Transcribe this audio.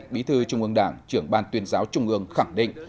bí thư trung ương đảng trưởng ban tuyên giáo trung ương khẳng định